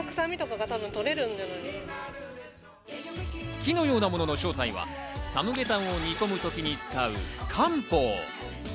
木のようなものの正体はサムゲタンを煮込むときに使う漢方。